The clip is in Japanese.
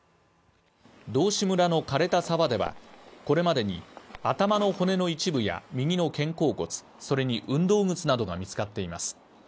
道志村の枯れた沢ではこれまでに頭の骨の一部や右の肩甲骨、それに運動靴などが見つかっています。